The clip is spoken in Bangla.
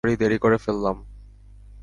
সরি, দেরি করে ফেললাম!